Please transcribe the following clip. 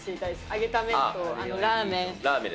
揚げた麺とあのラーメン。